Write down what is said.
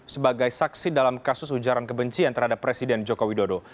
sebagai saksi dalam kasus ujaran kebencian terhadap presiden joko widodo